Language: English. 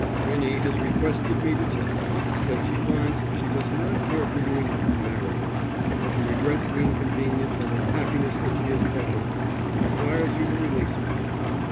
"Winnie has requested me to tell you that she finds she does not care for you enough to marry you. She regrets the inconvenience and unhappiness that she has caused, and desires you to release her."